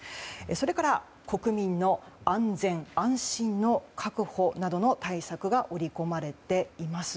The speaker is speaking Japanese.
それから国民の安全・安心の確保などの対策が盛り込まれています。